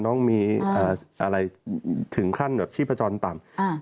น้องมีอะไรถึงขั้นแบบชีพจรต่ำ